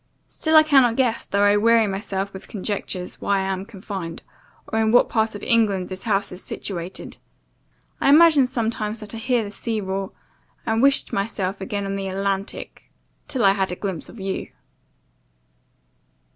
Still I cannot guess, though I weary myself with conjectures, why I am confined, or in what part of England this house is situated. I imagine sometimes that I hear the sea roar, and wished myself again on the Atlantic, till I had a glimpse of you."